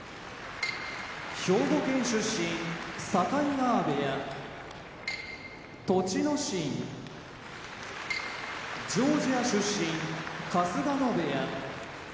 兵庫県出身境川部屋栃ノ心ジョージア出身春日野部屋